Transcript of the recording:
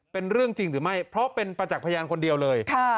เป็นเรื่องจริงหรือไม่เพราะเป็นประจักษ์พยานคนเดียวเลย